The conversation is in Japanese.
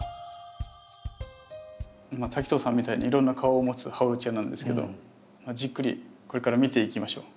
滝藤さんみたいにいろんな顔を持つハオルチアなんですけどじっくりこれから見ていきましょう。